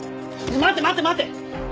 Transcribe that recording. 待て待て待て！